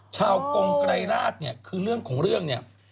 กงไกรราชเนี่ยคือเรื่องของเรื่องเนี่ย